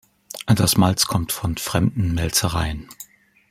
Das Malz kommt von fremden Mälzereien.